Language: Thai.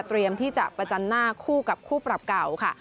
ที่จะประจันหน้าคู่กับคู่ปรับเก่าค่ะ